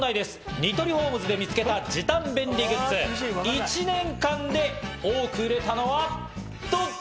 ニトリホームズで見つけた時短便利グッズ、１年間で多く売れたのはどっち？